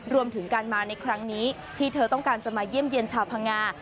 รวมถึงการมาในครั้งนี้ที่เธอต้องการจะมาเยี่ยมเยี่ยมชาวพังงา